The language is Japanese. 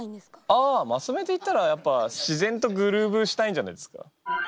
ああまとめて言ったらやっぱ自然とグルーヴしたいんじゃないですか？